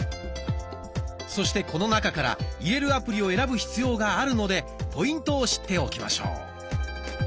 そしてこの中から入れるアプリを選ぶ必要があるのでポイントを知っておきましょう。